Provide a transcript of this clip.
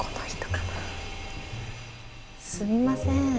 すみません。